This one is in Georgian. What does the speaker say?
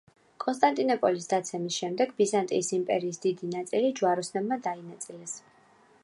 კონსტანტინოპოლის დაცემის შემდეგ, ბიზანტიის იმპერიის დიდი ნაწილი ჯვაროსნებმა დაინაწილეს.